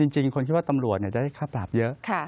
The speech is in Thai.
จริงคนคิดว่าตำรวจจะได้ค่าปรับเยอะ